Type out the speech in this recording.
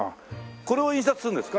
これを印刷するんですか？